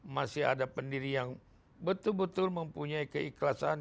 masih ada pendiri yang betul betul mempunyai keikhlasan